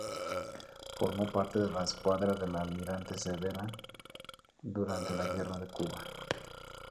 Formó parte de la Escuadra del Almirante Cervera durante la Guerra de Cuba.